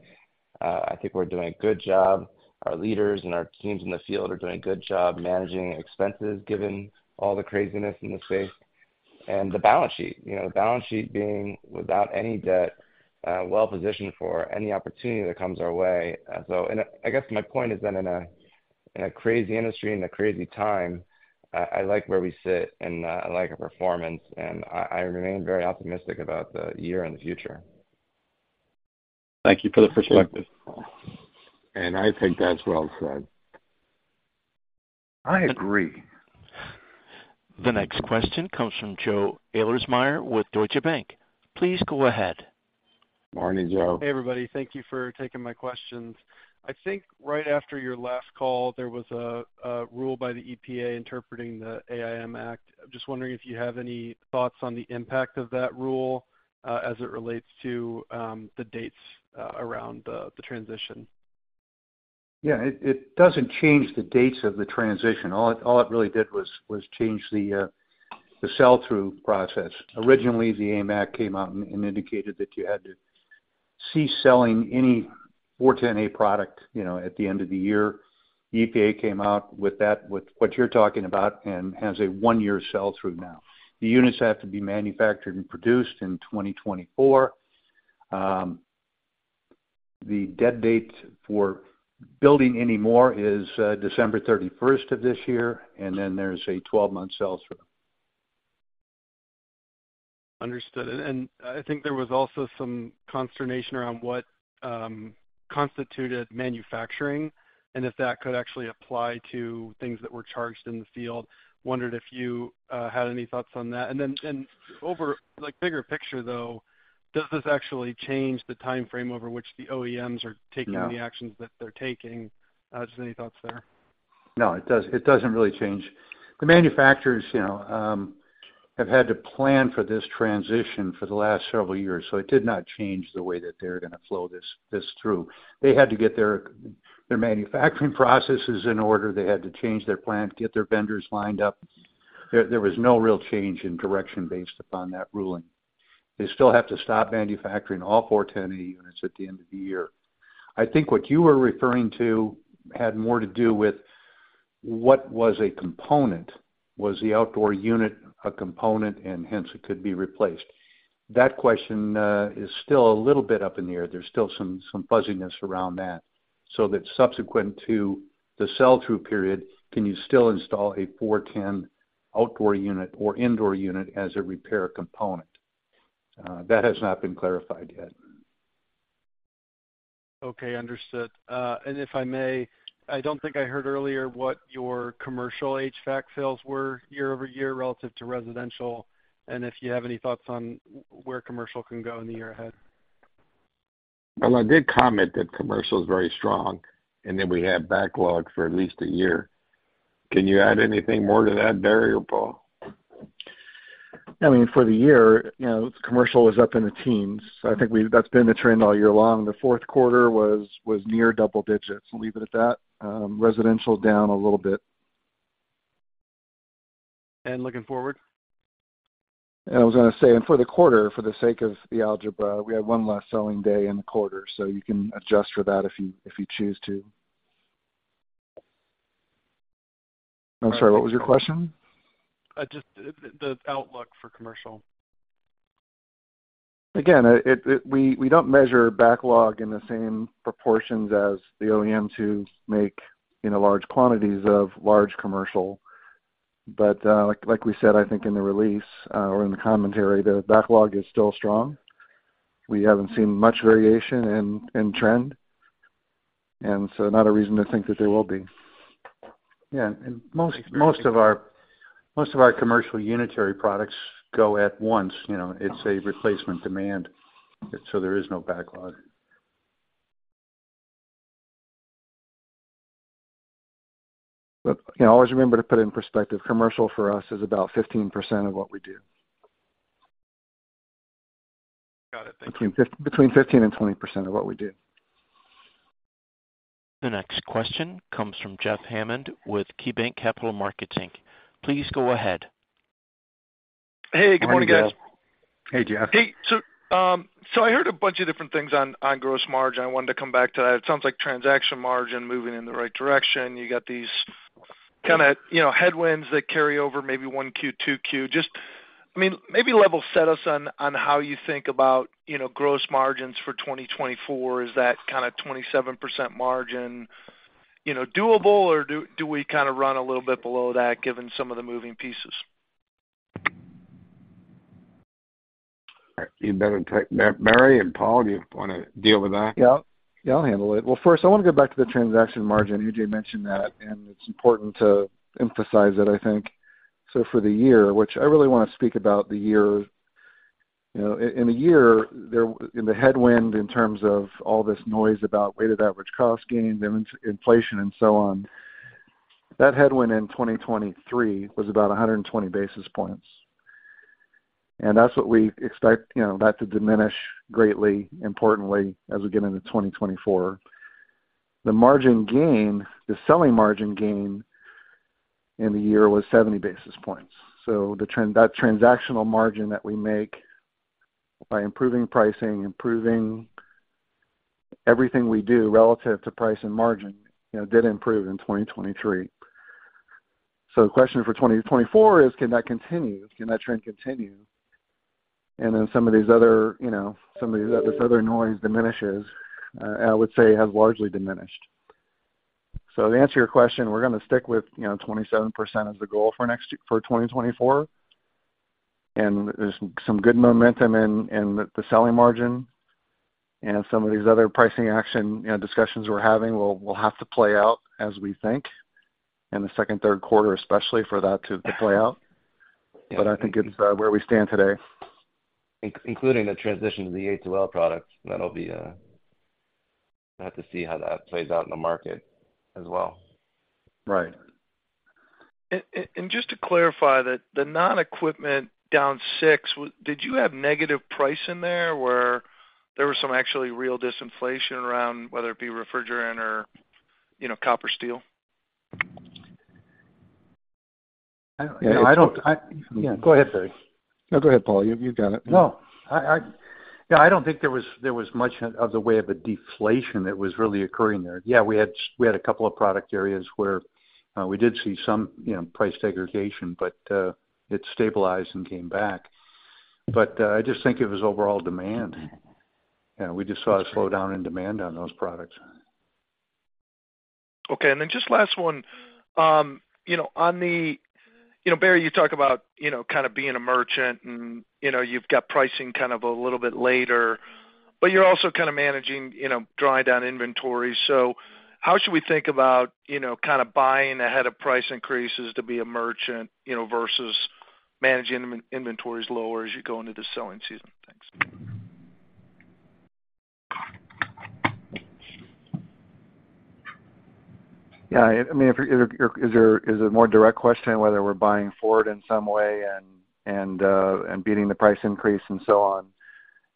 Speaker 9: I think we're doing a good job. Our leaders and our teams in the field are doing a good job managing expenses given all the craziness in the space. And the balance sheet, the balance sheet being without any debt, well positioned for any opportunity that comes our way. So I guess my point is that in a crazy industry in a crazy time, I like where we sit, and I like our performance. And I remain very optimistic about the year and the future.
Speaker 10: Thank you for the perspective. I think that's well said.
Speaker 1: I agree. The next question comes from Joe Ahlersmeyer with Deutsche Bank. Please go ahead.
Speaker 2: Morning, Joe.
Speaker 11: Hey, everybody. Thank you for taking my questions. I think right after your last call, there was a rule by the EPA interpreting the AIM Act. I'm just wondering if you have any thoughts on the impact of that rule as it relates to the dates around the transition.
Speaker 2: Yeah. It doesn't change the dates of the transition. All it really did was change the sell-through process. Originally, the AIM Act came out and indicated that you had to cease selling any 410A product at the end of the year. The EPA came out with what you're talking about and has a one-year sell-through now. The units have to be manufactured and produced in 2024. The dead date for building any more is December 31st of this year, and then there's a 12-month sell-through.
Speaker 11: Understood. And I think there was also some consternation around what constituted manufacturing and if that could actually apply to things that were charged in the field. Wondered if you had any thoughts on that. And then over bigger picture, though, does this actually change the timeframe over which the OEMs are taking the actions that they're taking? Just any thoughts there.
Speaker 2: No, it doesn't really change. The manufacturers have had to plan for this transition for the last several years. So it did not change the way that they're going to flow this through. They had to get their manufacturing processes in order. They had to change their plant, get their vendors lined up. There was no real change in direction based upon that ruling. They still have to stop manufacturing all 410A units at the end of the year. I think what you were referring to had more to do with what was a component. Was the outdoor unit a component, and hence, it could be replaced? That question is still a little bit up in the air. There's still some fuzziness around that. So that subsequent to the sell-through period, can you still install a 410A outdoor unit or indoor unit as a repair component? That has not been clarified yet.
Speaker 11: Okay. Understood. If I may, I don't think I heard earlier what your commercial HVAC sales were year-over-year relative to residential and if you have any thoughts on where commercial can go in the year ahead?
Speaker 2: Well, I did comment that commercial is very strong, and then we had backlog for at least a year. Can you add anything more to that, Barry, or Paul?
Speaker 4: I mean, for the year, commercial was up in the teens. So I think that's been the trend all year long. The Q4 was near double digits. We'll leave it at that. Residential down a little bit.
Speaker 11: Looking forward?
Speaker 4: I was going to say, and for the quarter, for the sake of the algebra, we had one less selling day in the quarter. So you can adjust for that if you choose to. I'm sorry. What was your question?
Speaker 11: Just the outlook for commercial.
Speaker 4: Again, we don't measure backlog in the same proportions as the OEMs who make large quantities of large commercial. But like we said, I think in the release or in the commentary, the backlog is still strong. We haven't seen much variation in trend. And so not a reason to think that there will be.
Speaker 2: Yeah. And most of our commercial unitary products go at once. It's a replacement demand, so there is no backlog.
Speaker 4: Always remember to put it in perspective. Commercial for us is about 15% of what we do.
Speaker 11: Got it. Thank you.
Speaker 4: Between 15% and 20% of what we do.
Speaker 1: The next question comes from Jeff Hammond with KeyBank Capital Markets. Please go ahead.
Speaker 12: Hey. Good morning, guys.
Speaker 2: Hey, Jeff.
Speaker 12: Hey. So I heard a bunch of different things on gross margin. I wanted to come back to that. It sounds like transaction margin moving in the right direction. You got these kind of headwinds that carry over maybe one Q, two Q. I mean, maybe level set us on how you think about gross margins for 2024. Is that kind of 27% margin doable, or do we kind of run a little bit below that given some of the moving pieces?
Speaker 2: You better take Barry and Paul. Do you want to deal with that?
Speaker 4: Yeah. Yeah. I'll handle it. Well, first, I want to go back to the transaction margin. A.J. mentioned that, and it's important to emphasize it, I think. So for the year, which I really want to speak about the year in the year, in the headwind in terms of all this noise about weighted average cost gain, then inflation, and so on, that headwind in 2023 was about 120 basis points. And that's what we expect that to diminish greatly, importantly, as we get into 2024. The selling margin gain in the year was 70 basis points. So that transactional margin that we make by improving pricing, improving everything we do relative to price and margin did improve in 2023. So the question for 2024 is, can that continue? Can that trend continue? And then some of this other noise diminishes, I would say, has largely diminished. So to answer your question, we're going to stick with 27% as the goal for 2024. And there's some good momentum in the selling margin. And some of these other pricing action discussions we're having will have to play out as we think in the second, Q3, especially for that to play out. But I think it's where we stand today.
Speaker 9: Including the transition to the A2L product, that'll be. We'll have to see how that plays out in the market as well.
Speaker 2: Right.
Speaker 12: Just to clarify, the non-equipment down 6, did you have negative price in there where there was some actually real disinflation around whether it be refrigerant or copper steel?
Speaker 2: Yeah. Go ahead, Barry.
Speaker 4: No, go ahead, Paul. You've got it.
Speaker 5: No. Yeah. I don't think there was much in the way of a deflation that was really occurring there. Yeah, we had a couple of product areas where we did see some price segregation, but it stabilized and came back. But I just think it was overall demand. We just saw a slowdown in demand on those products.
Speaker 12: Okay. And then just last one. On the Barry, you talk about kind of being a merchant, and you've got pricing kind of a little bit later. But you're also kind of managing, drawing down inventory. So how should we think about kind of buying ahead of price increases to be a merchant versus managing inventories lower as you go into the selling season? Thanks.
Speaker 4: Yeah. I mean, is it a more direct question whether we're buying forward in some way and beating the price increase and so on?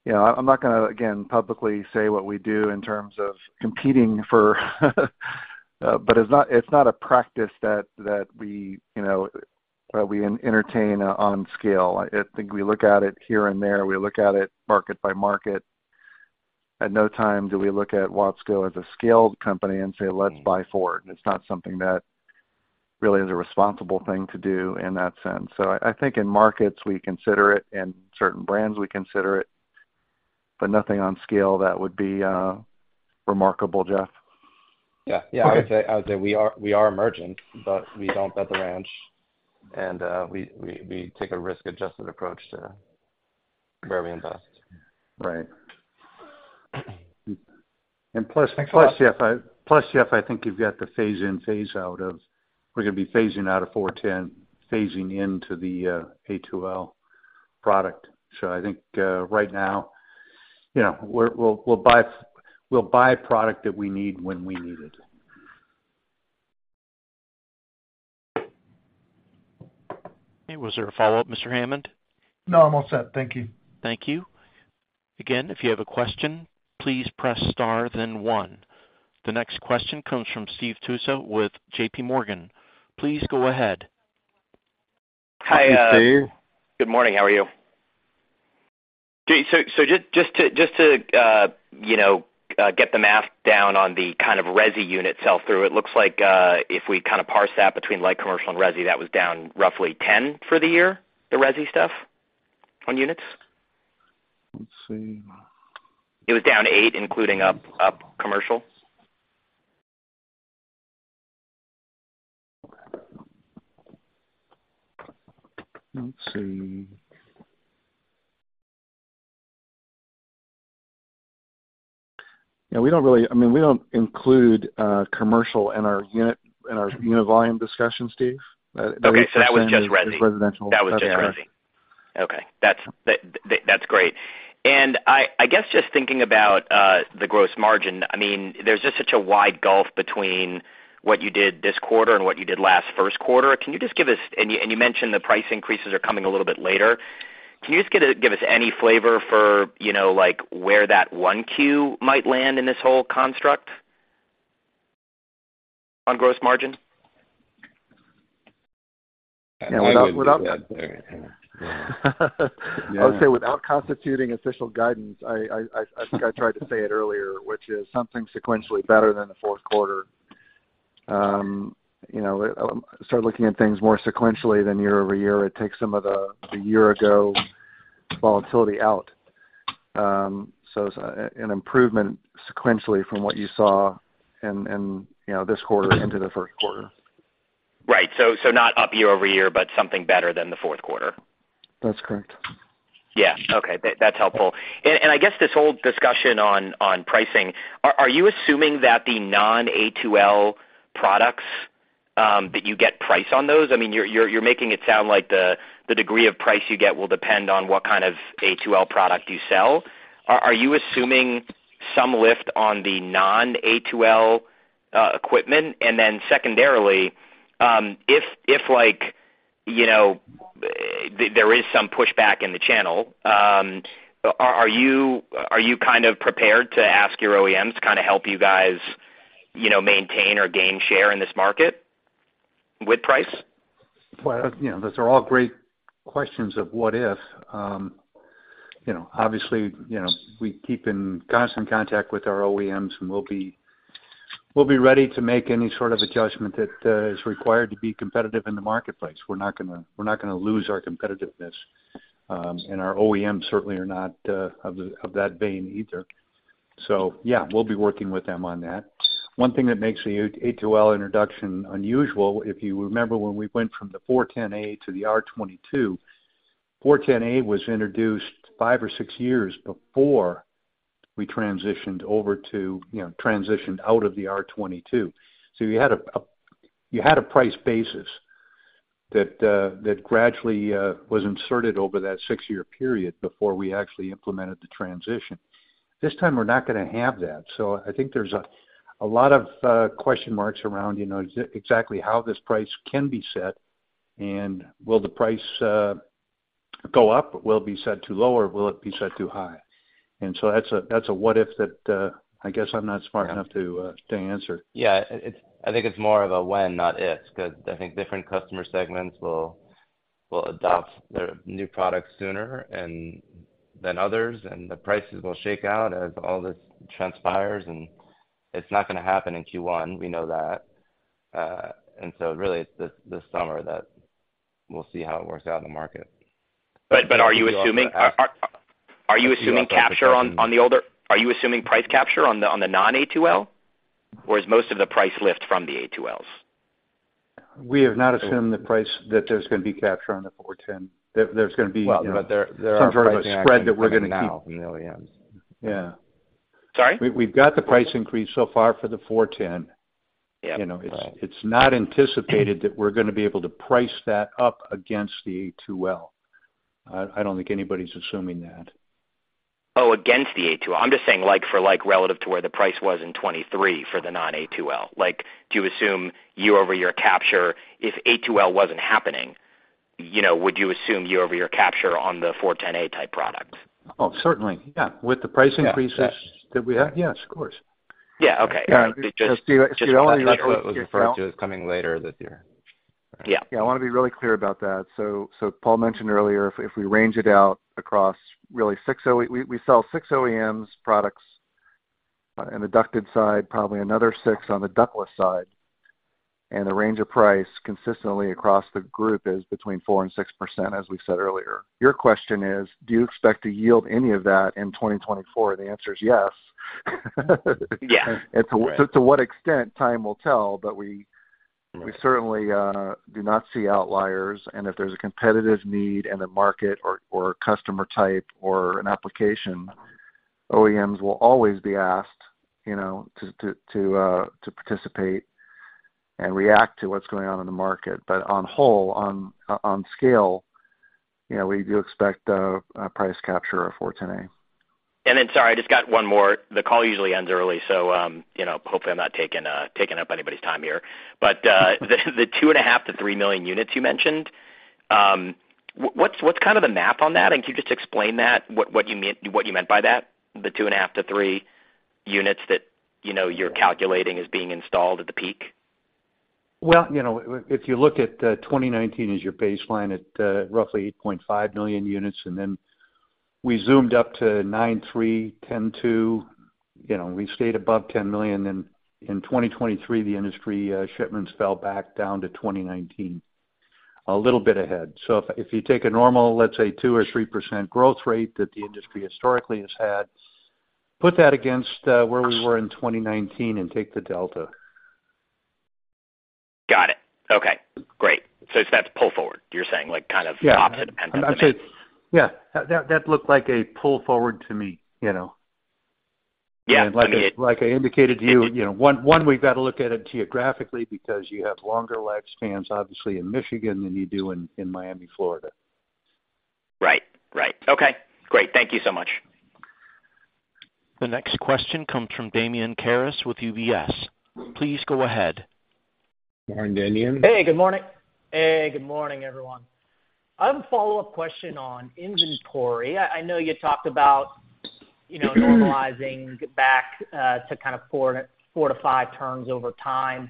Speaker 4: I'm not going to, again, publicly say what we do in terms of competing for but it's not a practice that we entertain on scale. I think we look at it here and there. We look at it market by market. At no time do we look at Watsco as a scaled company and say, "Let's buy forward." It's not something that really is a responsible thing to do in that sense. So I think in markets, we consider it. In certain brands, we consider it. But nothing on scale that would be remarkable, Jeff.
Speaker 9: Yeah. Yeah. I would say we are a merchant, but we don't bet the ranch. We take a risk-adjusted approach to where we invest.
Speaker 2: Right. And plus, Jeff, I think you've got the phase in, phase out of we're going to be phasing out of 410, phasing into the A2L product. So I think right now, we'll buy product that we need when we need it.
Speaker 1: Was there a follow-up, Mr. Hammond?
Speaker 12: No, I'm all set. Thank you.
Speaker 1: Thank you. Again, if you have a question, please press star, then one. The next question comes from Steve Tusa with JPMorgan. Please go ahead.
Speaker 2: Hi, Steve.
Speaker 13: Good morning. How are you? So just to get the math down on the kind of resi unit sell-through, it looks like if we kind of parse that between light commercial and resi, that was down roughly 10 for the year, the resi stuff on units.
Speaker 2: Let's see.
Speaker 13: It was down 8 including up commercial.
Speaker 2: Let's see.
Speaker 4: Yeah. I mean, we don't include commercial in our unit volume discussion, Steve.
Speaker 13: Okay. So that was just resi? Residential? That was just resi. Okay. That's great. And I guess just thinking about the gross margin, I mean, there's just such a wide gulf between what you did this quarter and what you did last Q1. Can you just give us and you mentioned the price increases are coming a little bit later. Can you just give us any flavor for where that one Q might land in this whole construct on gross margin?
Speaker 2: Yeah. Without.
Speaker 4: I would say without constituting official guidance, I think I tried to say it earlier, which is something sequentially better than the Q4. Start looking at things more sequentially than year-over-year. It takes some of the year-ago volatility out. So an improvement sequentially from what you saw in this quarter into the Q1.
Speaker 13: Right. So not up year-over-year, but something better than the Q4.
Speaker 4: That's correct.
Speaker 13: Yeah. Okay. That's helpful. I guess this whole discussion on pricing, are you assuming that the non-A2L products that you get price on those? I mean, you're making it sound like the degree of price you get will depend on what kind of A2L product you sell. Are you assuming some lift on the non-A2L equipment? And then secondarily, if there is some pushback in the channel, are you kind of prepared to ask your OEMs to kind of help you guys maintain or gain share in this market with price?
Speaker 2: Well, those are all great questions of what if. Obviously, we keep in constant contact with our OEMs, and we'll be ready to make any sort of adjustment that is required to be competitive in the marketplace. We're not going to lose our competitiveness. And our OEMs certainly are not of that vein either. So yeah, we'll be working with them on that. One thing that makes the A2L introduction unusual, if you remember when we went from the 410A to the R-22, 410A was introduced five or six years before we transitioned out of the R-22. So you had a price basis that gradually was inserted over that six-year period before we actually implemented the transition. This time, we're not going to have that. So I think there's a lot of question marks around exactly how this price can be set. Will the price go up? Will it be set too low or will it be set too high? And so that's a what if that I guess I'm not smart enough to answer.
Speaker 9: Yeah. I think it's more of a when, not if, because I think different customer segments will adopt their new products sooner than others, and the prices will shake out as all this transpires. And it's not going to happen in Q1. We know that. And so really, it's this summer that we'll see how it works out in the market.
Speaker 13: But are you assuming capture on the older? Are you assuming price capture on the non-A2L, or is most of the price lift from the A2Ls?
Speaker 2: We have not assumed the price that there's going to be capture on the 410. There's going to be some sort of spread that we're going to keep.
Speaker 13: Yeah. Sorry?
Speaker 2: We've got the price increase so far for the 410. It's not anticipated that we're going to be able to price that up against the A2L. I don't think anybody's assuming that.
Speaker 13: Oh, against the A2L. I'm just saying for relative to where the price was in 2023 for the non-A2L. Do you assume year-over-year capture if A2L wasn't happening, would you assume year-over-year capture on the 410A type product?
Speaker 2: Oh, certainly. Yeah. With the price increases that we had, yes, of course.
Speaker 13: Yeah. Okay.
Speaker 2: Yeah. It's just.
Speaker 9: Steve, I want to be really clear about what was referred to as coming later this year.
Speaker 4: Yeah. Yeah. I want to be really clear about that. So Paul mentioned earlier, if we range it out across really 6 OEMs, we sell 6 OEMs products on the ducted side, probably another 6 on the ductless side. And the range of price consistently across the group is between 4%-6%, as we said earlier. Your question is, do you expect to yield any of that in 2024? The answer is yes. And to what extent, time will tell, but we certainly do not see outliers. And if there's a competitive need in the market or customer type or an application, OEMs will always be asked to participate and react to what's going on in the market. But on whole, on scale, we do expect price capture of 410A.
Speaker 13: Sorry, I just got one more. The call usually ends early, so hopefully, I'm not taking up anybody's time here. But the 2.5-3 million units you mentioned, what's kind of the math on that? And can you just explain what you meant by that, the 2.5-3 units that you're calculating as being installed at the peak?
Speaker 2: Well, if you look at 2019 as your baseline at roughly 8.5 million units, and then we zoomed up to 9.3, 10.2, we stayed above 10 million. Then in 2023, the industry shipments fell back down to 2019, a little bit ahead. So if you take a normal, let's say, 2% or 3% growth rate that the industry historically has had, put that against where we were in 2019 and take the delta.
Speaker 13: Got it. Okay. Great. So that's pull forward, you're saying, kind of opposite dependence.
Speaker 2: Yeah. That looked like a pull forward to me. And like I indicated to you, one, we've got to look at it geographically because you have longer lag spans, obviously, in Michigan than you do in Miami, Florida.
Speaker 13: Right. Right. Okay. Great. Thank you so much.
Speaker 1: The next question comes from Damian Karas with UBS. Please go ahead.
Speaker 2: Good morning, Damian.
Speaker 14: Hey. Good morning. Hey. Good morning, everyone. I have a follow-up question on inventory. I know you talked about normalizing back to kind of 4-5 turns over time.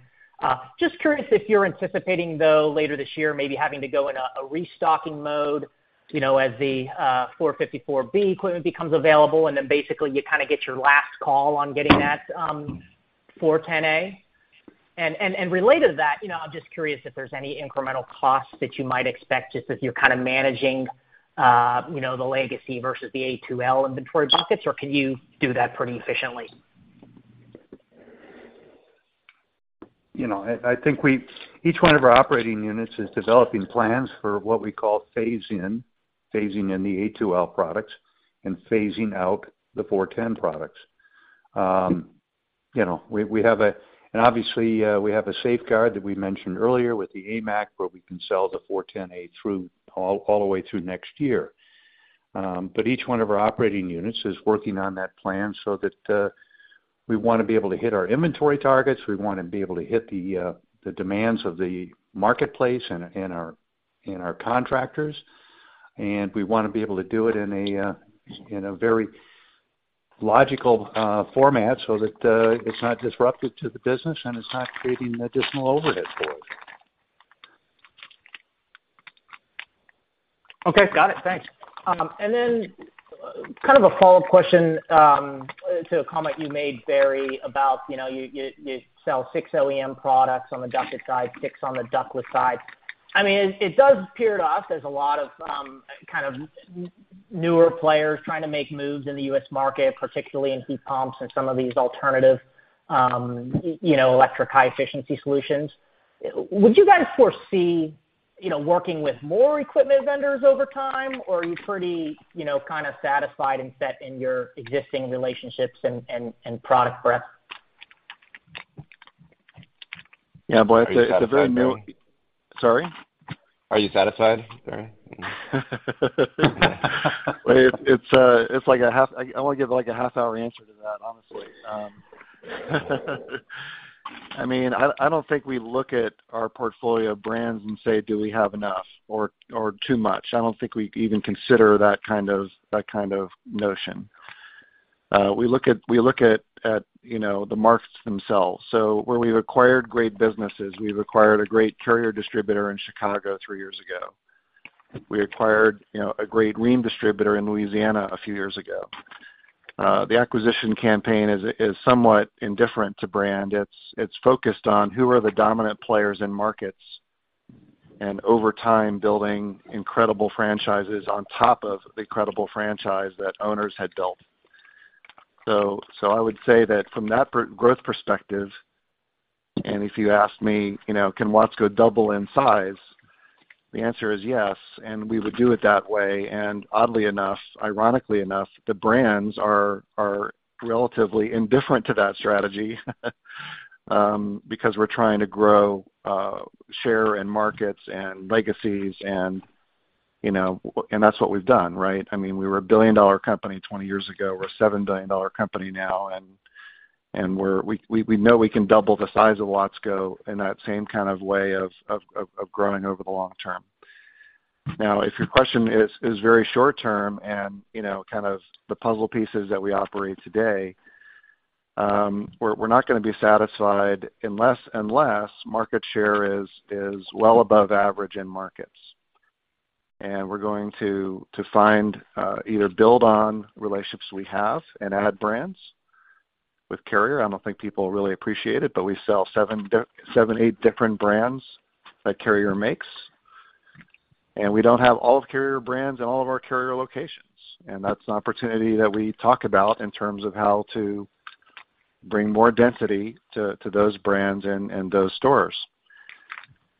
Speaker 14: Just curious if you're anticipating, though, later this year, maybe having to go in a restocking mode as the 454B equipment becomes available, and then basically, you kind of get your last call on getting that 410A. And related to that, I'm just curious if there's any incremental costs that you might expect just as you're kind of managing the legacy versus the A2L inventory buckets, or can you do that pretty efficiently?
Speaker 2: I think each one of our operating units is developing plans for what we call phasing in the A2L products and phasing out the 410 products. We have, and obviously, we have a safeguard that we mentioned earlier with the AIM Act where we can sell the 410A all the way through next year. But each one of our operating units is working on that plan so that we want to be able to hit our inventory targets. We want to be able to hit the demands of the marketplace and our contractors. And we want to be able to do it in a very logical format so that it's not disruptive to the business, and it's not creating additional overhead for us.
Speaker 14: Okay. Got it. Thanks. And then kind of a follow-up question to a comment you made, Barry, about you sell six OEM products on the ducted side, six on the ductless side. I mean, it does appear to us there's a lot of kind of newer players trying to make moves in the U.S. market, particularly in heat pumps and some of these alternative electric high-efficiency solutions. Would you guys foresee working with more equipment vendors over time, or are you pretty kind of satisfied and set in your existing relationships and product breadth?
Speaker 2: Yeah, boy. It's a very new.
Speaker 9: Are you satisfied?
Speaker 4: Sorry?
Speaker 9: Are you satisfied, Barry?
Speaker 4: Wait. It's like a half I want to give a half-hour answer to that, honestly. I mean, I don't think we look at our portfolio brands and say, "Do we have enough or too much?" I don't think we even consider that kind of notion. We look at the markets themselves. So where we've acquired great businesses, we've acquired a great Carrier distributor in Chicago three years ago. We acquired a great Rheem distributor in Louisiana a few years ago. The acquisition campaign is somewhat indifferent to brand. It's focused on who are the dominant players in markets and over time building incredible franchises on top of the incredible franchise that owners had built. So I would say that from that growth perspective, and if you ask me, "Can Watsco go double in size?" the answer is yes, and we would do it that way. And oddly enough, ironically enough, the brands are relatively indifferent to that strategy because we're trying to grow share and markets and legacies, and that's what we've done, right? I mean, we were a billion-dollar company 20 years ago. We're a $7 billion company now, and we know we can double the size of Watsco in that same kind of way of growing over the long term. Now, if your question is very short-term and kind of. The puzzle pieces that we operate today, we're not going to be satisfied unless market share is well above average in markets. And we're going to find either build on relationships we have and add brands with Carrier. I don't think people really appreciate it, but we sell seven, eight different brands that Carrier makes. And we don't have all of Carrier brands in all of our Carrier locations. That's an opportunity that we talk about in terms of how to bring more density to those brands and those stores.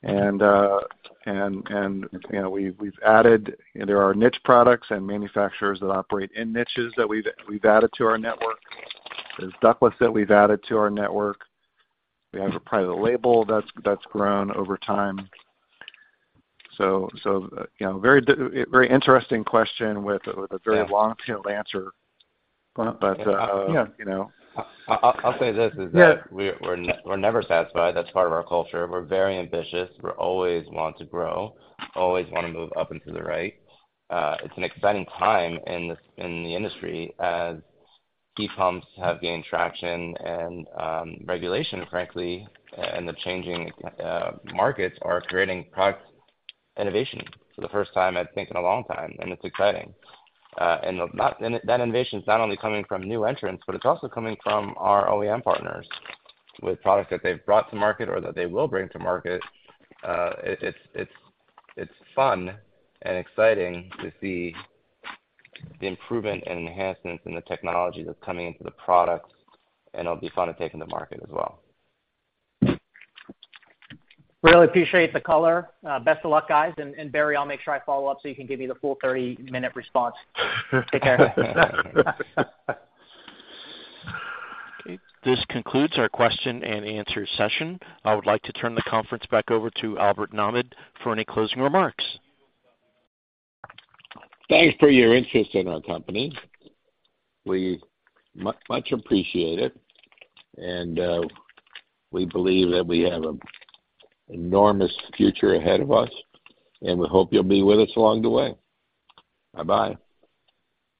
Speaker 4: We've added. There are niche products and manufacturers that operate in niches that we've added to our network. There's ductless that we've added to our network. We have a private label that's grown over time. So very interesting question with a very long-tailed answer, but yeah.
Speaker 9: I'll say this is that we're never satisfied. That's part of our culture. We're very ambitious. We always want to grow, always want to move up and to the right. It's an exciting time in the industry as heat pumps have gained traction and regulation, frankly, and the changing markets are creating product innovation for the first time I think in a long time. And it's exciting. And that innovation is not only coming from new entrants, but it's also coming from our OEM partners with products that they've brought to market or that they will bring to market. It's fun and exciting to see the improvement and enhancements and the technology that's coming into the products, and it'll be fun to take into market as well.
Speaker 14: Really appreciate the color. Best of luck, guys. Barry, I'll make sure I follow up so you can give me the full 30-minute response. Take care.
Speaker 1: Okay. This concludes our question and answer session. I would like to turn the conference back over to Albert Nahmad for any closing remarks.
Speaker 2: Thanks for your interest in our company. We much appreciate it. We believe that we have an enormous future ahead of us, and we hope you'll be with us along the way. Bye-bye.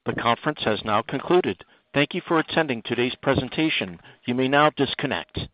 Speaker 1: The conference has now concluded. Thank you for attending today's presentation. You may now disconnect.